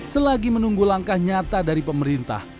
selagi menunggu langkah nyata dari pemerintah